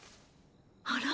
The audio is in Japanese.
あら？